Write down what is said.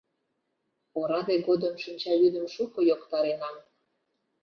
Ораде годым шинчавӱдым шуко йоктаренам.